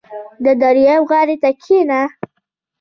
• د دریاب غاړې ته کښېنه.